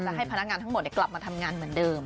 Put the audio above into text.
ให้พนักงานทั้งหมดกลับมาทำงานเหมือนเดิม